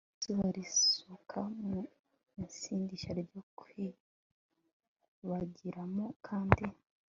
Izuba rirasuka mu idirishya ryo kwiyuhagiriramo kandi